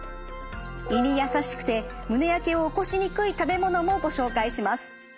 胃に優しくて胸やけを起こしにくい食べ物もご紹介します。